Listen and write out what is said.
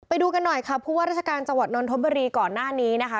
ไปดูกันหน่อยค่ะผู้ว่าราชการจังหวัดนนทบุรีก่อนหน้านี้นะคะ